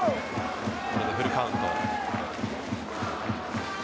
これでフルカウント。